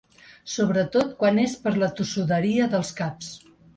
Sobretot quan és per la tossuderia dels caps.